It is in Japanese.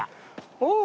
おお！